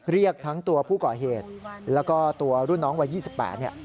เรียกทั้งตัวผู้ก่อเหตุแล้วก็ตัวรุ่นน้องวัย๒๘เนี่ย